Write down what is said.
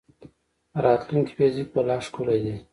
د راتلونکي فزیک به لا ښکلی دی.